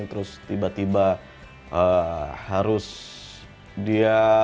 terus tiba tiba harus dia